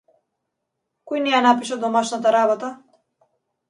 Кој не ја напиша домашната работа?